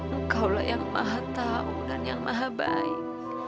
engkaulah yang maha tahu dan yang maha baik